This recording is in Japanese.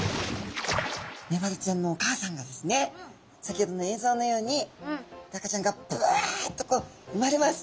メバルちゃんのお母さんがですね先ほどの映像のように赤ちゃんがぶわっとこううまれます。